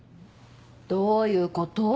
どういうこと？